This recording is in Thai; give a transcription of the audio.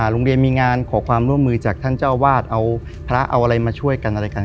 โรงเรียนมีงานขอความร่วมมือจากท่านเจ้าวาดเอาพระเอาอะไรมาช่วยกันอะไรกัน